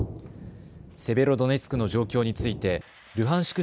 セベロドネツクの状況についてルハンシク